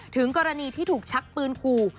ถึงกรณีที่ถูกชักปืนขู่